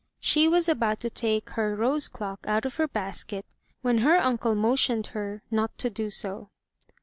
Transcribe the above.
She was about to take her rose clock out of her basket, when her uncle motioned to her not to do so.